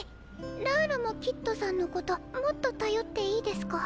ラーラもキッドさんのこともっと頼っていいですか？